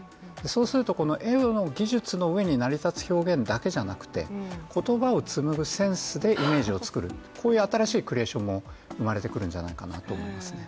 そうするとこの絵の技術の上に成り立つだけでなくて言葉をつむぐセンスでイメージを作る、こういう新しいクリエーションも生まれてくるんじゃないかと思いますね。